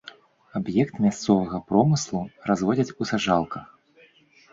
Аб'ект мясцовага промыслу, разводзяць у сажалках.